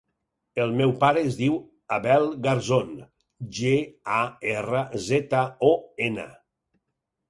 El meu pare es diu Abel Garzon: ge, a, erra, zeta, o, ena.